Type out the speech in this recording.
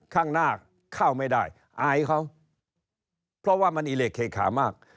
ข้างหน้าเข้าไม่ได้อายเขาเพราะว่ามันอิเล็กเคขามาก